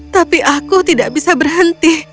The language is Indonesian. tapi aku tidak bisa berhenti